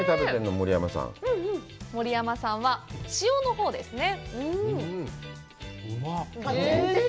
もり山さんは塩のほうですね。